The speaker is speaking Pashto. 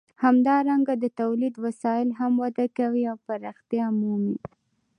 همدارنګه د تولید وسایل هم وده کوي او پراختیا مومي.